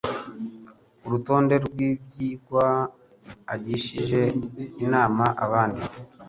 urutonde rw ibyigwa agishije inama abandi